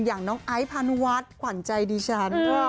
อย่างน้องไอซ์พาณวัสขวัญใจดีชัน